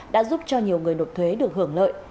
đã giúp cho nhiều người nộp thuế được hưởng lợi